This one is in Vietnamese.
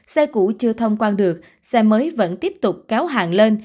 xe cũ chưa thông quan được xe mới vẫn tiếp tục kéo hàng lên